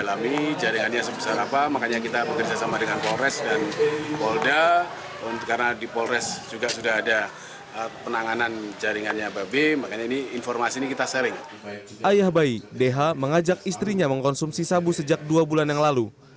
ayah dh mengajak istrinya mengkonsumsi sabu sejak dua bulan yang lalu